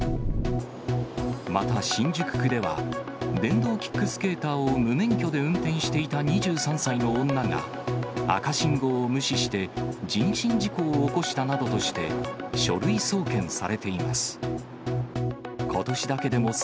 また新宿区では、電動キックスケーターを無免許で運転していた２３歳の女が、赤信号を無視して、人身事故を起こしたなどとして、書類送検されています。